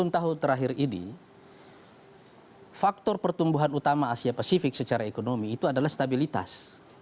enam tahun terakhir ini faktor pertumbuhan utama asia pasifik secara ekonomi itu adalah stabilitas